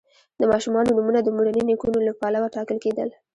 د ماشومانو نومونه د مورني نیکونو له پلوه ټاکل کیدل.